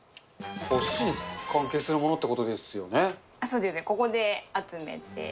おすしに関係するものってこそうです、ここで集めて。